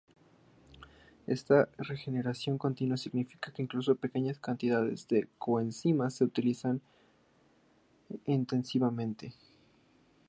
Esta regeneración continua significa que incluso pequeñas cantidades de coenzimas son utilizadas intensivamente.